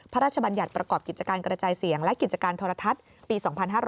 บัญญัติประกอบกิจการกระจายเสียงและกิจการโทรทัศน์ปี๒๕๕๙